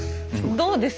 どうです？